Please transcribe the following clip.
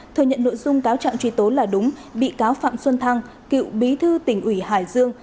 thừa nhận nội dung cáo trạng truy tố là đúng bị cáo phạm xuân thăng cựu bí thư tỉnh ủy hải dương